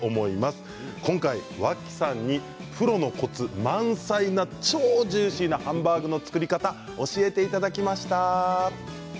今回、脇さんにプロのコツ満載な超ジューシーなハンバーグの作り方を教えていただきました。